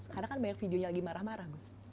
karena kan banyak videonya lagi marah marah gus